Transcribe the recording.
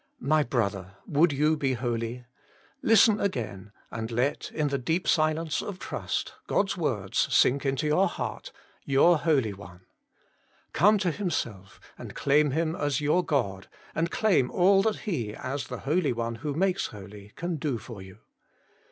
My brother ! would you be holy ? listen again, and let, in the deep silence of trust, God's words sink into your heart ' Your Holy One.' Come to Himself and claim Him as your God, and claim all that He, as the Holy One who makes holy, can do for you.